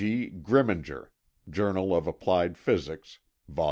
Grimminger, Journal of Applied Physics, Vol.